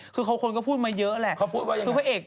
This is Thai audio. คือคนก็พูดมาเยอะแหละ